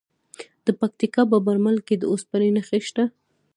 د پکتیکا په برمل کې د اوسپنې نښې شته.